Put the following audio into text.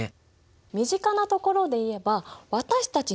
身近なところで言えば私たち